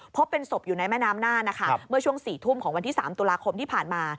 พบเป็นศพอยู่ในแม่น้ำน่านนะคะเมื่อช่วง๔ทุ่มของวันที่๓ตุลาคมที่ผ่านมา